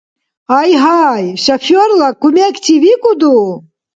— Гьайгьай. Шоферла кумекчи викӏуду?